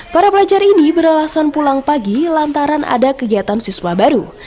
para pelajar ini beralasan pulang pagi lantaran ada kegiatan siswa baru